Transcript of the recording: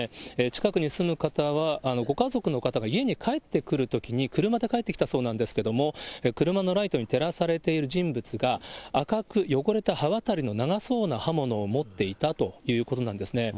近くに住む方は、ご家族の方が家に帰ってくるときに、車で帰ってきたそうなんですけども、車のライトに照らされている人物が、赤く汚れた刃渡りの長そうな刃物を持っていたということなんですね。